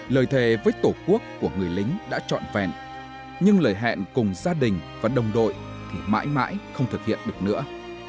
lời thề với tổ quốc của người lính đã trọn vẹn nhưng lời hẹn cùng gia đình và đồng đội thì mãi mãi không thực hiện được nữa